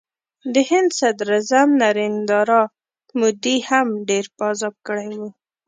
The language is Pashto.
د هند صدراعظم نریندرا مودي هم ډېر په عذاب کړی و